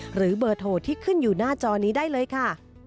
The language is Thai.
หรือเบอร์โทรที่ขึ้นอยู่หน้าจอนี้ได้เลยค่ะ